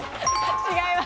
違います。